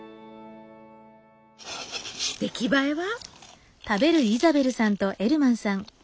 出来栄えは？